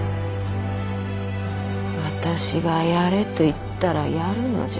私がやれと言ったらやるのじゃ。